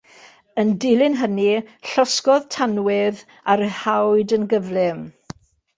Yn dilyn hynny, llosgodd tanwydd a ryddhawyd yn gyflym.